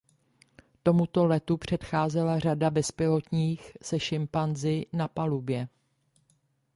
Tomuto letu předcházela řada bezpilotních se šimpanzi na palubě.